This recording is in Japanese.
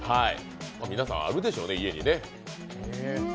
皆さんあるでしょうね、家にね。